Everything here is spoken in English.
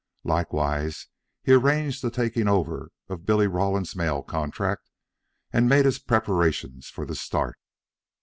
Likewise he arranged the taking over of Billy Rawlins' mail contract, and made his preparations for the start.